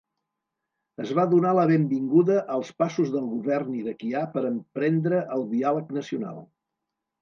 Es va donar la benvinguda als passos del govern iraquià per emprendre el diàleg nacional.